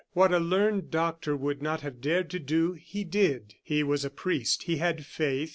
What a learned doctor would not have dared to do, he did. He was a priest; he had faith.